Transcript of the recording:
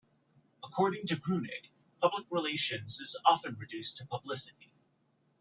According to Grunig, public relations is often reduced to publicity.